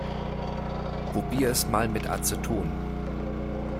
Probier es mal mit Aceton.